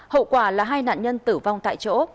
hậu quả là hai nạn nhân tử vong tại chỗ